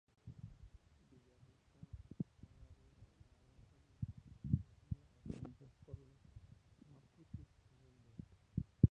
Villarrica, una vez abandonada, fue reducida a cenizas por los mapuches rebeldes.